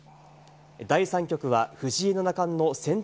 第３局は藤井七冠の先手